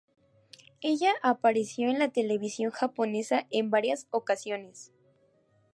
Ella apareció en la televisión japonesa en varias ocasiones.